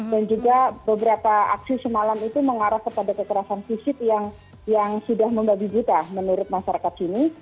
dan juga beberapa aksi semalam itu mengarah kepada kekerasan fisik yang sudah membagi juta menurut masyarakat sini